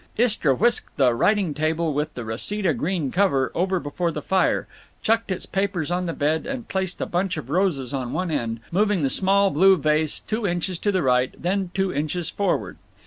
Istra whisked the writing table with the Reseda green cover over before the fire, chucked its papers on the bed, and placed a bunch of roses on one end, moving the small blue vase two inches to the right, then two inches forward.